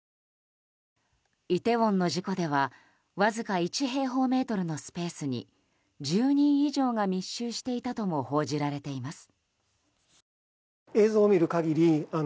イテウォンの事故ではわずか１平方メートルのスペースに１０人以上が密集していたとも報じられています。